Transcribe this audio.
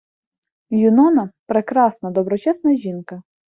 Юнона — прекрасна, доброчесна жінка